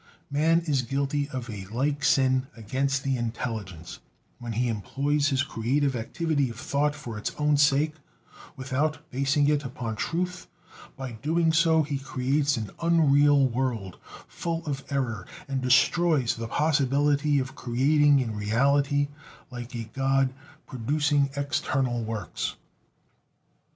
Man is guilty of a like sin against the intelligence when he employs his creative activity of thought for its own sake, without basing it upon truth; by so doing he creates an unreal world, full of error, and destroys the possibility of creating in reality, like a god, producing external works.